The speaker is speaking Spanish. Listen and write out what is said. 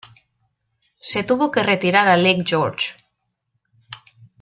Se tuvo que retirar a Lake George.